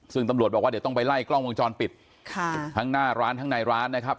ซึ่งตำรวจบอกว่าเดี๋ยวต้องไปไล่กล้องวงจรปิดค่ะทั้งหน้าร้านทั้งในร้านนะครับ